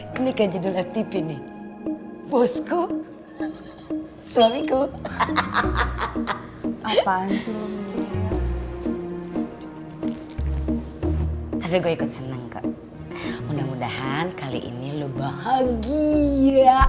gue harus jadi istri yang sempurna dan baik buat nino